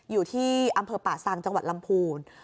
อยู่ที่อำเภอป่าซังจังหวัดลำพูน